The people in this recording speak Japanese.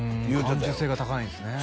感受性が高いんですね